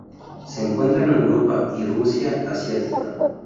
Se encuentra en Europa y Rusia asiática.